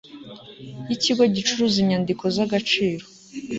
y ikigo gicuruza inyandiko z agaciro